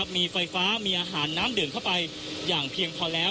มีไฟฟ้ามีอาหารน้ำดื่มเข้าไปอย่างเพียงพอแล้ว